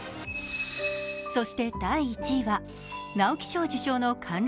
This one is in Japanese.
そして第１位は、尚輝賞受賞の感涙